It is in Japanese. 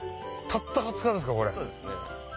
たった２０日ですかこれ。